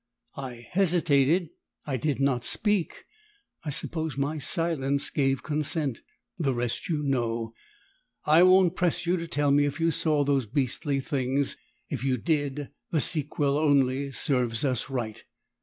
I hesitated, I did not speak. I suppose my silence gave consent: the rest you know. I won't press you to tell me if you saw those beastly things, if you did the sequel only serves us right.